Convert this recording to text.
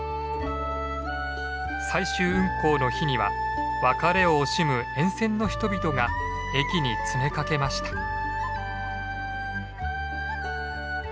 最終運行の日には別れを惜しむ沿線の人々が駅に詰めかけました。